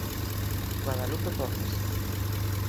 Guadalupe Porras.